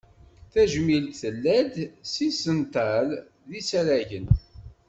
Tajmilt tella-d s yisental, d yisaragen.